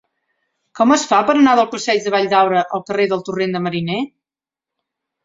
Com es fa per anar del passeig de Valldaura al carrer del Torrent de Mariner?